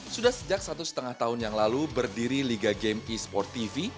sudah sejak satu setengah tahun yang lalu berdiri liga game e sport tv